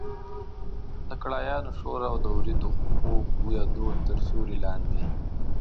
د کړایانو شور او د وریتو خوږ بویه دود تر سیوري لاندې.